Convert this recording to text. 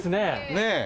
ねえ。